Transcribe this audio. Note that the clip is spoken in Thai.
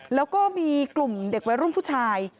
แล้วก็มีกลุ่มเด็กวัยรุ่นผู้ชาย